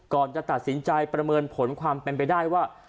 ก่อนจะตัดสินใจประเมินผลความเป็นไปได้ว่า